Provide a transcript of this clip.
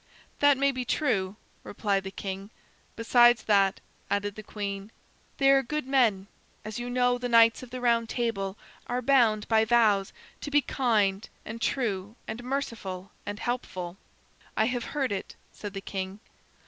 "That may be true," replied the king. "Besides that," added the queen, "they are good men. As you know, the Knights of the Round Table are bound by vows to be kind and true and merciful and helpful." "I have heard it," said the king.